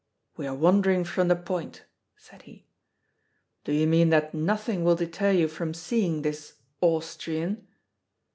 "We are wandering from the point," said he. "Do you mean that nothing will deter you from seeing this Austrian?"